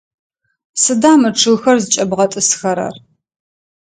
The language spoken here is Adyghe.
Сыда мы чъыгхэр зыкӏэбгъэтӏысхэрэр?